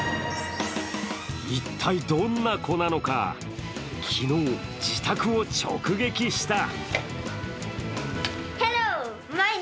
一体、どんな子なのか昨日、自宅を直撃した。